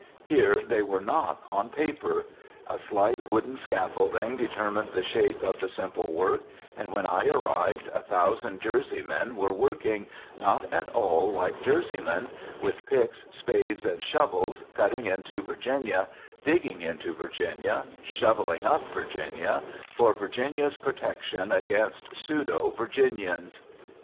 Here they were, not on paper. A slight wooden scaffolding determined the shape of the simple work; and when I arrived, a thousand Jerseymen were working, not at all like Jerseymen, with picks, spades, and shovels, cutting into Virginia, digging into Virginia, shovelling up Virginia, for Virginia's protection against pseudo Virginians.